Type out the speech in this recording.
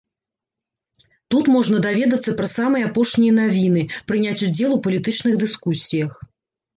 Тут можна даведацца пра самыя апошнія навіны, прыняць удзел у палітычных дыскусіях.